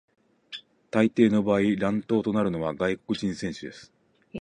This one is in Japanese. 大抵の場合、乱闘になるのは外国人選手です。